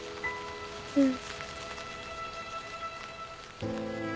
うん。